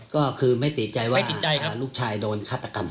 ก็คือไม่ติดใจว่าลูกชายโดนฆาตกรรม